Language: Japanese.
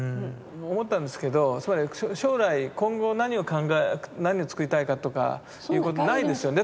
思ったんですけどつまり将来今後何を考え何を作りたいかとかいうことないですよね。